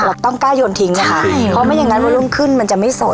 เราต้องกล้าโยนทิ้งนะคะใช่เพราะไม่อย่างนั้นวันรุ่งขึ้นมันจะไม่สด